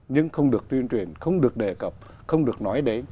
nhưng không được tuyên truyền không được đề cập không được nói đấy